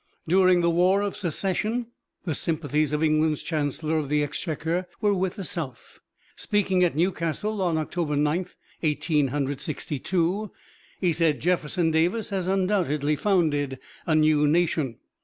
During the War of Secession the sympathies of England's Chancellor of the Exchequer were with the South. Speaking at Newcastle on October Ninth, Eighteen Hundred Sixty two, he said, "Jefferson Davis has undoubtedly founded a new nation."